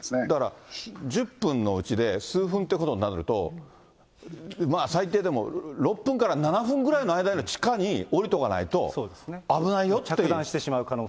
だから１０分のうちで、数分ってことになると、最低でも６分から７分ぐらいの間に、地下に下りとかないと、危ないよっていう。